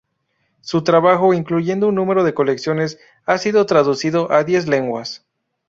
Su trabajo, incluyendo un número de colecciones, ha sido traducido a diez lenguas.